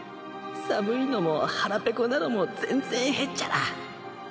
寒いのも腹ぺこなのも全然へっちゃら